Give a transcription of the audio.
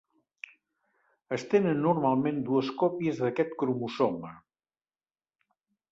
Es tenen normalment dues còpies d'aquest cromosoma.